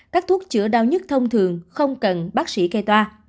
các thuốc chữa đau nhất thông thường không cần bác sĩ kê toa